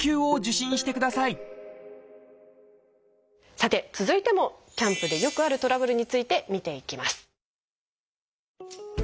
さて続いてもキャンプでよくあるトラブルについて見ていきます。